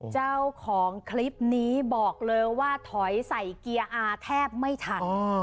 เจ้าของคลิปนี้บอกเลยว่าถอยใส่เกียร์อาแทบไม่ทัน